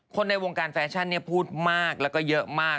ในวงการแฟชั่นพูดมากแล้วก็เยอะมาก